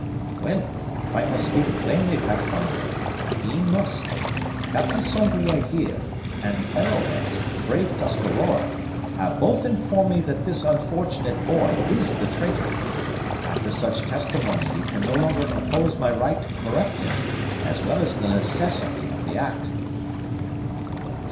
_" "Well, if I must speak plainly, Pathfinder, I e'en must. Captain Sanglier here and Arrowhead, this brave Tuscarora, have both informed me that this unfortunate boy is the traitor. After such testimony you can no longer oppose my right to correct him, as well as the necessity of the act."